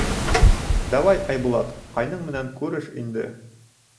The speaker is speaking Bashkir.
— Давай, Айбулат, ҡайның менән күреш инде.